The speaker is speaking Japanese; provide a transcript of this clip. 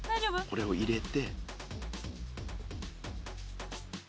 これを入れて。